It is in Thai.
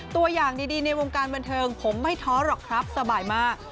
ตัวอย่างดีในวงการบันเทิงผมไม่ท้อหรอกครับสบายมาก